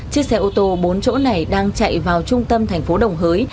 chiếc xe ô tô bốn chỗ này đang chạy vào trung tâm thành phố đồng hới